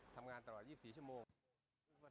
ทำงานตลอด๒๔ชั่วโมง